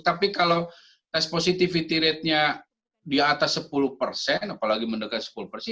tapi kalau test positivity ratenya di atas sepuluh persen apalagi mendekat sepuluh persen